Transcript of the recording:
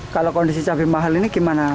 kalau kondisi cabai mahal ini gimana